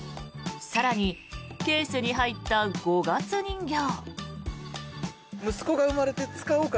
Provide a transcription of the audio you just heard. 更に、ケースに入った五月人形。